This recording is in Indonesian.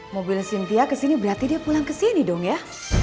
mobil cynthia kesini berarti dia pulang kesini dong ya